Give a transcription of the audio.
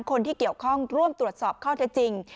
คนที่เกี่ยวข้องร่วมตรวจสอบข้อเท็จจริง